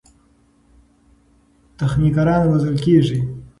تخنیکران روزل کېږي.